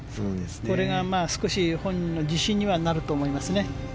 これが少し本人の自信にはなると思いますね。